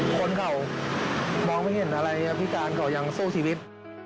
คนเขามองไม่เห็นอะไรพิการเขายังสู้ชีวิต